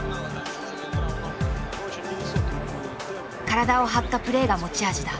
体を張ったプレーが持ち味だ。